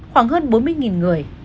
khoảng hơn bốn mươi người